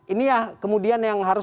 ini ya kemudian yang harus